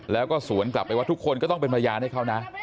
แล้วก็สวนกลับไปว่าทุกคนก็ต้องเป็นพยานให้เขานะ